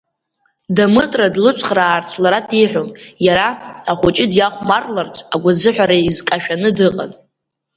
Дамытра длыцхраарц лара диҳәон, иара ахәыҷы диахәмарларц агәазыҳәара изкашәаны дыҟан.